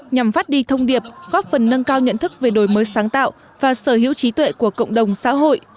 nhằm phát đi thông điệp góp phần nâng cao nhận thức về đổi mới sáng tạo và sở hữu trí tuệ của cộng đồng xã hội